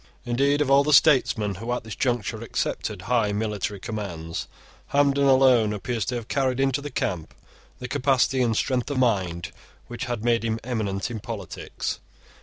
Indeed, of all the statesmen who at this juncture accepted high military commands, Hampden alone appears to have carried into the camp the capacity and strength of mind which had made him eminent in politics.